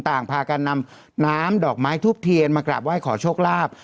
ต่างพากันนำน้ำดอกไม้ทูบเทียนมากราบไหว้ขอโชคลาภ